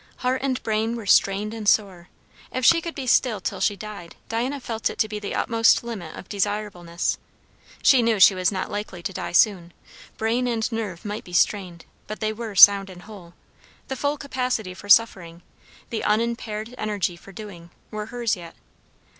Heart and brain were strained and sore; if she could be still till she died, Diana felt it to be the utmost limit of desirableness. She knew she was not likely to die soon; brain and nerve might be strained, but they were sound and whole; the full capacity for suffering, the unimpaired energy for doing, were hers yet.